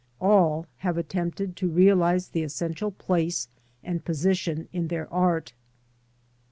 All have attempted to realise the essential place and position in their art.